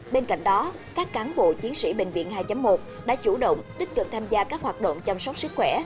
bên cạnh đó các cán bộ chiến sĩ bệnh viện hai một đã chủ động tích cực tham gia các hoạt động chăm sóc sức khỏe